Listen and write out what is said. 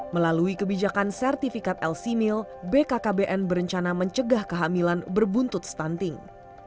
melalui kebijakan sertifikat lcmil bkkbn berencana mencegah kehamilan berbuntut stunting